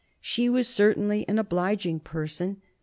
She was certainly an obliging person.